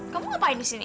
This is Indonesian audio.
kamu ngapain di sini